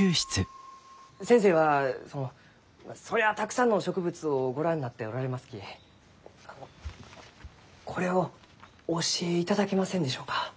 先生はそのそりゃあたくさんの植物をご覧になっておられますきあのこれをお教えいただけませんでしょうか？